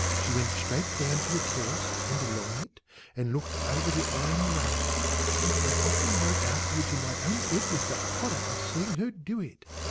She went straight down to the Terrace and along it and looked over the iron rail, and I often woke afterwards in my own bed with the horror of seeing her do it.